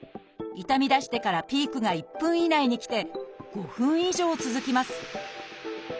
痛みだしてからピークが１分以内に来て５分以上続きます。